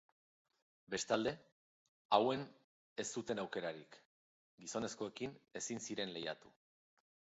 Bestalde, hauen ez zuten aukerarik, gizonezkoekin ezin ziren lehiatu.